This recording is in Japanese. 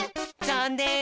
ざんねん！